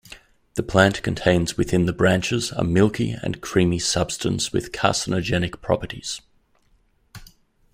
The plant contains within the branches a milky and creamy substance with carcinogenic properties.